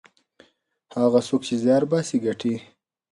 هغه څوک چې زیار باسي ګټي.